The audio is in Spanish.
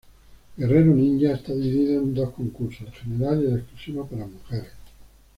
Guerrero Ninja está dividido en dos concursos, el general y el exclusivo para mujeres.